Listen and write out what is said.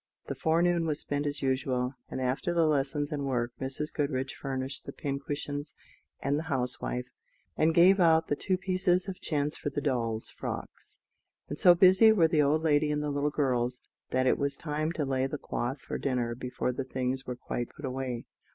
The forenoon was spent as usual; and after the lessons and work, Mrs. Goodriche furnished the pin cushions and the housewife, and gave out the two pieces of chintz for the dolls' frocks; and so busy were the old lady and the little girls, that it was time to lay the cloth for dinner before the things were quite put away.